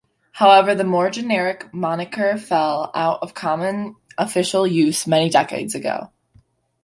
However, the more generic moniker fell out of common official use many decades ago.